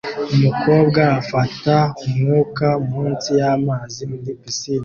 Umukobwa afata umwuka munsi y'amazi muri pisine